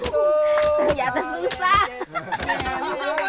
punyam tu tak lengket